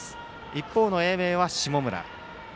一方の英明は、下村。